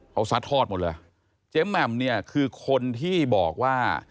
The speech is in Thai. เขาซัดทอดหมดเลยเจ๊แหม่มเนี่ยคือคนที่บอกว่า